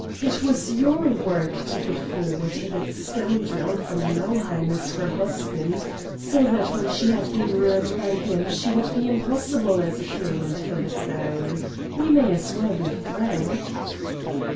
It was your work to put forward that scoundrel von Nauheim as her husband, so that when she had been ruined by him she would be impossible as a claimant for the throne. We may as well be frank."